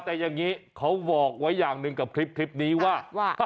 แต่อย่างนี้เขาบอกไว้อย่างหนึ่งกับคลิปนี้ว่า